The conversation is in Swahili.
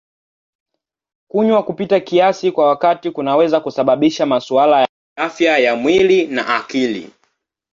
Kunywa kupita kiasi kwa wakati kunaweza kusababisha masuala ya kiafya ya mwili na akili.